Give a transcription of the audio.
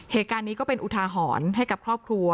เหตุการณ์นี้ก็เป็นอุทาหรณ์ให้กับครอบครัว